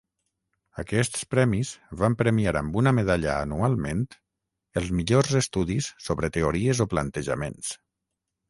Aquests premis van premiar amb una medalla anualment els millors estudis sobre teories o plantejaments.